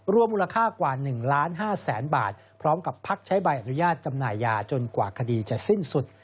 มูลค่ากว่า๑ล้าน๕แสนบาทพร้อมกับพักใช้ใบอนุญาตจำหน่ายยาจนกว่าคดีจะสิ้นสุด